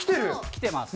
きてます。